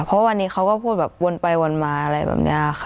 เพราะวันนี้เขาก็พูดแบบวนไปวนมาอะไรแบบนี้ค่ะ